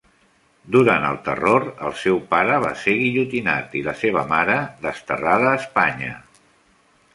Durant el Terror el seu pare va ser guillotinat i la seva mare, desterrada a Espanya.